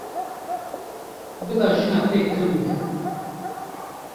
Bila jina te kin be.